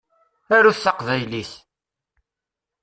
Arut taqbaylit!